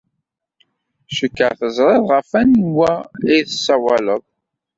Cikkeɣ teẓrid ɣef wanwa ay ssawaleɣ.